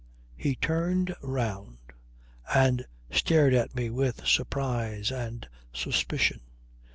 He turned round and stared at me with surprise and suspicion.